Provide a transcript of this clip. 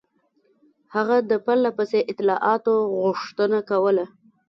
هغه د پرله پسې اطلاعاتو غوښتنه کوله.